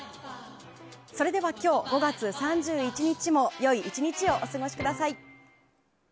それでは今日５月３１日も良い１日をお過ごしください。